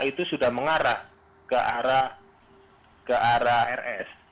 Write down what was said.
itu sudah mengarah ke arah rs